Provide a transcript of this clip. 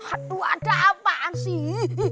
aduh ada apaan sih